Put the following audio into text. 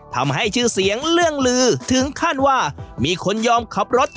ทำให้ชื่อเสียงเรื่องลือถึงขั้นว่ามีคนยอมขับรถ